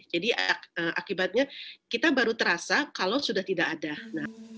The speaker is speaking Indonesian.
jadi akibatnya kita baru terasa kalau sudah tidak ada